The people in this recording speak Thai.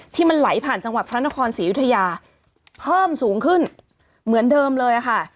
ที่มันไหลผ่านจังหวัดพระนครศรียุธยาเพิ่มสูงขึ้นเหมือนเดิมเลยค่ะ